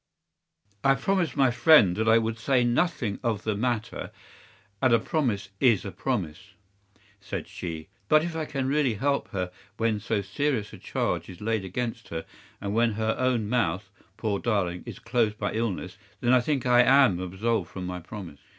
"'I promised my friend that I would say nothing of the matter, and a promise is a promise,' said she; 'but if I can really help her when so serious a charge is laid against her, and when her own mouth, poor darling, is closed by illness, then I think I am absolved from my promise.